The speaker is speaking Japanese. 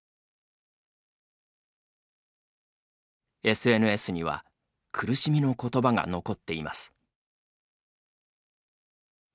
ＳＮＳには苦しみのことばが残っています。